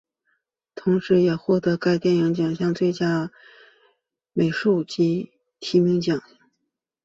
同时也荣获该电影奖的最佳美术奖及提名奖项。